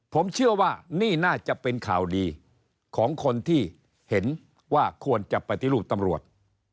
ผมเชื่อว่านี่น่าจะเป็นข่าวดีของคนที่เห็นว่าควรจะปฏิรูปตำรวจ